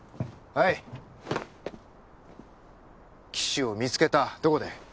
はい岸を見つけたどこで？